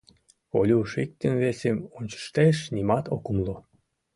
Колюш иктым-весым ончыштеш, нимат ок умыло.